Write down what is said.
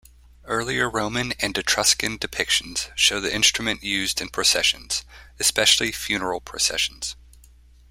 Earlier Roman and Etruscan depictions show the instrument used in processions, especially funeral processions.